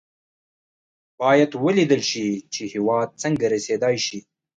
باید ولېدل شي چې هېواد څنګه رسېدای شي.